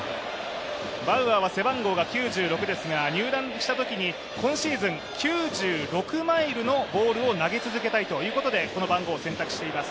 バウアーは背番号が９６ですが入団したときに今シーズン９６マイルを投げ続けたいとこの番号を選択しています。